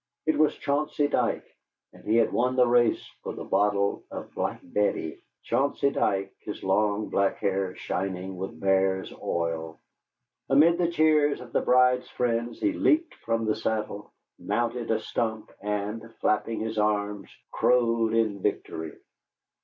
It was Chauncey Dike, and he had won the race for the bottle of "Black Betty," Chauncey Dike, his long, black hair shining with bear's oil. Amid the cheers of the bride's friends he leaped from his saddle, mounted a stump and, flapping his arms, crowed in victory.